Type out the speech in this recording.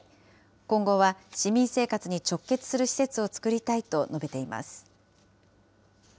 今後は市民生活に直結する施設を作りたいと述べています。